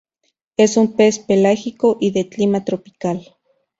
Es un pez pelágico y de clima tropical.